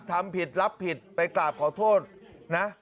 ทำผิดรับผิดไปกราบขอโทษนะ